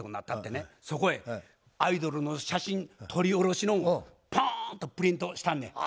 そこへアイドルの写真撮りおろしのパーンとプリントしてあんねや。